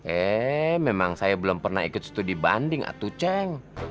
eh memang saya belum pernah ikut studi banding atu cheng